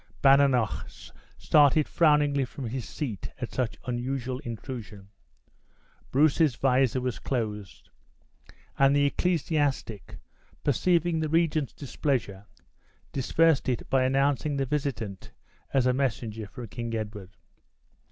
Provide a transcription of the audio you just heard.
Badenoch started frowningly from his seat at such unusual intrusion. Bruce's visor was closed; and the ecclesiastic, perceiving the regent's displeasure, dispersed it by announcing the visitant as a messenger from King Edward.